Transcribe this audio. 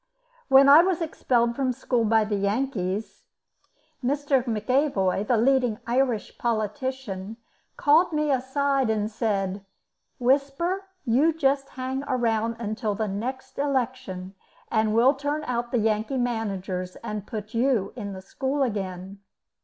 When I was expelled from school by the Yankees, Mr. McEvoy, the leading Irish politician, called me aside and said: "Whisper, you just hang round until next election, and we'll turn out the Yankee managers, and put you in the school again."